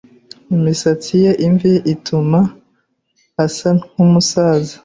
Imisatsi ye imvi ituma asa nkumusaza.